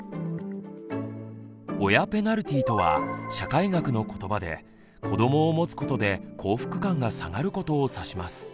「親ペナルティー」とは社会学の言葉で子どもを持つことで幸福感が下がることを指します。